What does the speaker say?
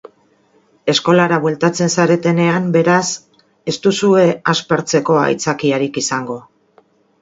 Eskolara bueltatzen zaretenean, beraz, ez duzue aspertzeko aitzakiarik izango.